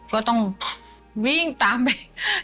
ก็ต้องวิ่งตามไป